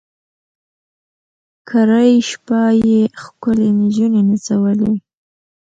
کرۍ شپه یې ښکلي نجوني نڅولې